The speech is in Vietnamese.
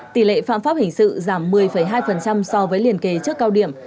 tỷ lệ phạm pháp hình sự giảm một mươi hai so với liền kề trước cao điểm